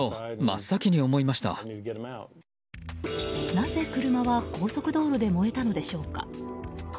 なぜ車は高速道路で燃えたのでしょうか。